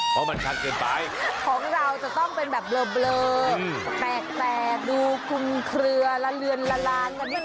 เพราะมันชัดเกินไปของเราจะต้องเป็นแบบเบลอแปลกดูคุมเคลือละเลือนละลานกันด้วย